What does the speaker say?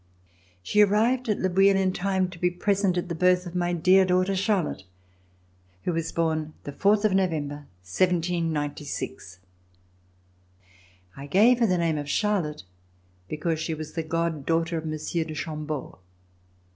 She arrived at Le Bouilh in time to be present at the birth of my dear daughter Charlotte, who was born the fourth of November, 1796. I gave her the name of Charlotte, because she was the god daughter of Monsieur de Chambeau.